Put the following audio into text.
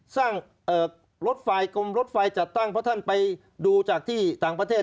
สร้างรถไฟกรมรถไฟจัดตั้งเพราะท่านไปดูจากที่ต่างประเทศ